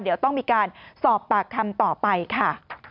เดี๋ยวต้องมีการสอบปากคำต่อไปค่ะ